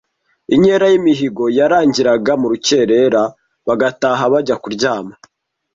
Inkera y’imihigo yarangiraga mu rukerera bagataha bajya kuryama